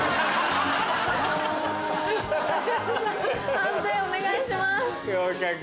判定お願いします。